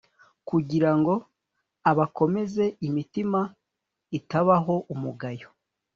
kugira ngo abakomeze imitima itabaho umugayo